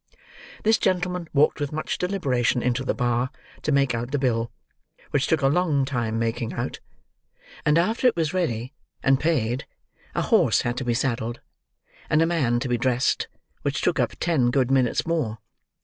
This gentleman walked with much deliberation into the bar to make out the bill: which took a long time making out: and after it was ready, and paid, a horse had to be saddled, and a man to be dressed, which took up ten good minutes more.